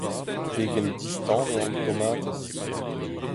Pegen distan eo an tomatez !